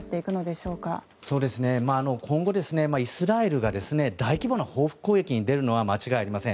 そうですね、今後イスラエルが大規模な報復攻撃に出るのは間違いありません。